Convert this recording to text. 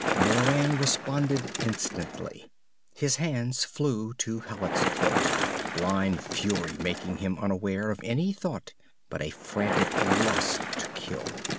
Moran responded instantly. His hands flew to Hallet's throat, blind fury making him unaware of any thought but a frantic lust to kill.